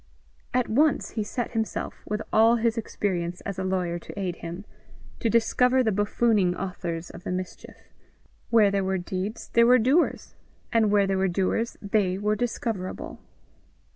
At once he set himself, with all his experience as a lawyer to aid him, to discover the buffooning authors of the mischief; where there were deeds there were doers, and where there were doers they were discoverable.